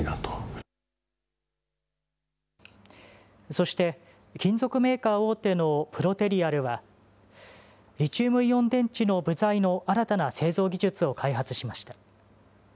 そして、金属メーカー大手のプロテリアルは、リチウムイオン電池の部材の新たな製造技術を開発しました。